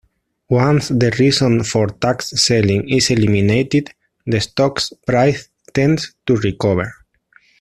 Once the reason for tax selling is eliminated, the stock's price tends to recover.